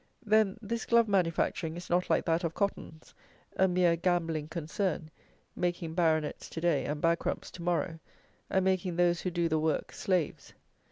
Then, this glove manufacturing is not like that of cottons, a mere gambling concern, making Baronets to day and Bankrupts to morrow, and making those who do the work slaves.